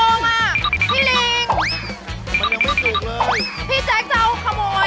พี่แจ๊คเจ้าขโมย